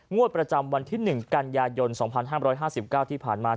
งวดประจำวันที่๑กันยายน๒๕๕๙ที่ผ่านมา